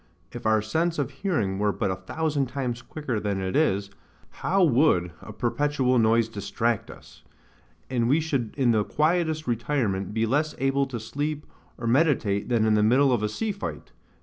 If our sense of hearing were but a thousand times quicker than it is, how would a perpetual noise distract us. And we should in the quietest retirement be less able to sleep or meditate than in the middle of a sea fight.